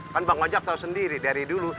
kan bang wajab tau sendiri dari dulu